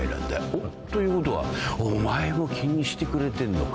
おっということはお前も気にしてくれてんのか。